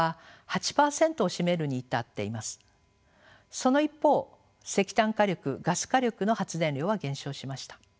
その一方石炭火力ガス火力の発電量は減少しました。